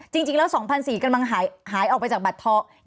จริงแล้ว๒๔๐๐กำลังหายออกไปจากบัตรทอง